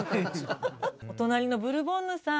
お隣のブルボンヌさん。